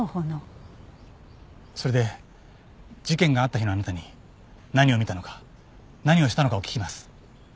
それで事件があった日のあなたに何を見たのか何をしたのかを聞きます。